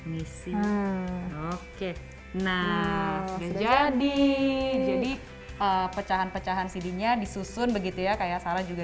misi oke nah jadi jadi pecahan pecahan cd nya disusun begitu ya kayak sarah juga